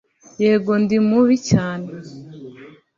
yego ndi mubi cyane